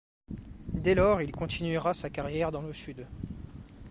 Dès lors, il continuera sa carrière dans le sud.